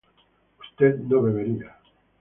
usted no bebería